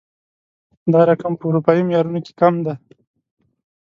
دا رقم په اروپايي معيارونو کې کم دی